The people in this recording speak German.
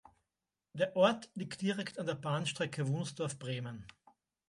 Der Ort liegt direkt an der Bahnstrecke Wunstorf–Bremen.